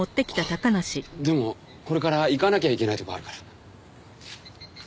でもこれから行かなきゃいけない所があるから。